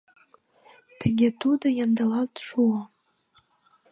Тыге тудо ямдылалт шуо.